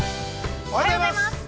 ◆おはようございます。